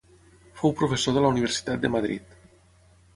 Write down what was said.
Fou professor de la Universitat de Madrid.